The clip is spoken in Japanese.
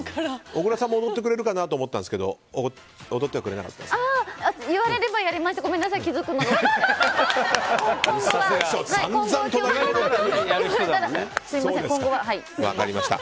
小倉さんも踊ってくれるかなと思ったんですけど言われれば踊りました。